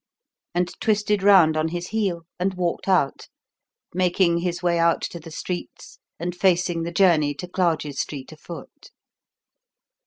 And twisted round on his heel and walked out; making his way out to the streets and facing the journey to Clarges Street afoot.